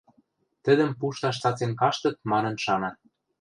Тӹдӹм пушташ цацен каштыт манын шана.